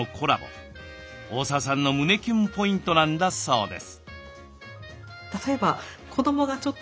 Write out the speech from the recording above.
大澤さんの胸キュンポイントなんだそうです。